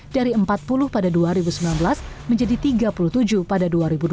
dari empat puluh pada dua ribu sembilan belas menjadi tiga puluh tujuh pada dua ribu dua puluh